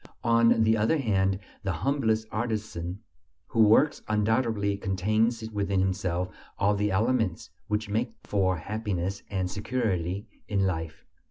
On the other hand, the humblest artisan who "works" undoubtedly contains within himself all the elements which make for happiness and security in life.